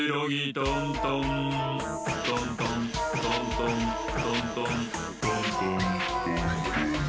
トントントントントントントントントントン。